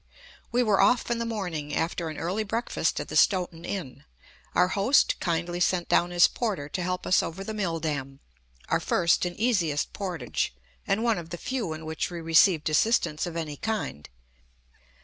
We were off in the morning, after an early breakfast at the Stoughton inn. Our host kindly sent down his porter to help us over the mill dam, our first and easiest portage, and one of the few in which we received assistance of any kind.